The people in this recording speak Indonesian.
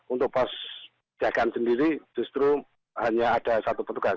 untuk pos jagaan sendiri justru hanya ada satu petugas